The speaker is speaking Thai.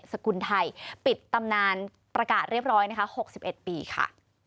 สกุลไทยปิดตำนานประกาศเรียบร้อยนะคะ๖๑ปีค่ะ